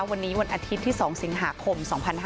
วันนี้วันอาทิตย์ที่๒สิงหาคม๒๕๕๙